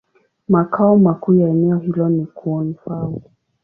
Makao makuu ya eneo hilo ni Koun-Fao.